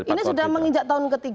ini sudah menginjak tahun ke tiga